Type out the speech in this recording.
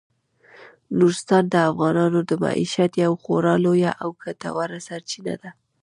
نورستان د افغانانو د معیشت یوه خورا لویه او ګټوره سرچینه ده.